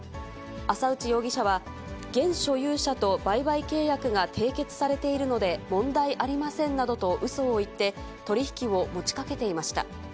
浅内容疑者は、現所有者と売買契約が締結されているので問題ありませんなどとうそを言って、取り引きを持ちかけていました。